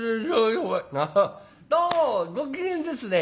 「ハハッどうもご機嫌ですね」。